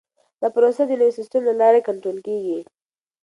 دا پروسه د نوي سیسټم له لارې کنټرول کیږي.